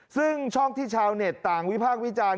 ซึ่งช่องที่ชาวเน็ตต่างวิพากษ์วิจารณ์